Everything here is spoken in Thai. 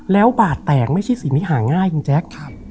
แล้วบาดแตกไม่ใช่สิ่งที่หาง่ายคุณแจ๊ค